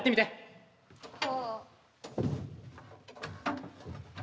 はあ。